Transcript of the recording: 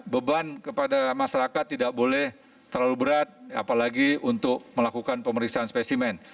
beban kepada masyarakat tidak boleh terlalu berat apalagi untuk melakukan pemeriksaan spesimen